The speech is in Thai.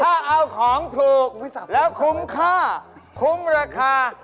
ถ้าเอาของถูกแล้วคุ้มค่าคุ้มราคา